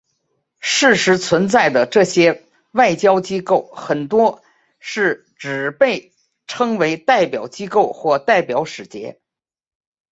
事实存在的这些外交机构很多是只被称为代表机构或代表使节。